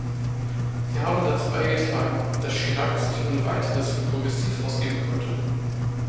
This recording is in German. Sie haben dazu beigetragen, dass Chirac sich ohne weiteres für progressiv ausgeben konnte.